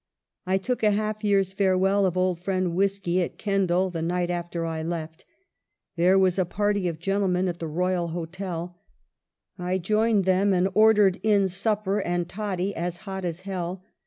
I took a half year's farewell of old friend whiskey at Kendal the night after I [left]. There was a party of gentlemen at the Royal Hotel ; I joined them and ordered in supper and ' toddy as hot as Hell.'